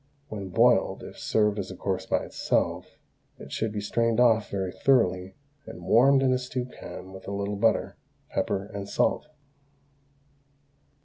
When boiled, if served as a course by itself, it should be strained off very thoroughly and warmed in a stew pan with a little butter, pepper, and salt.